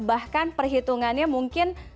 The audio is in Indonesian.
bahkan perhitungannya mungkin